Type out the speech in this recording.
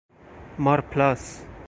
مارپلاس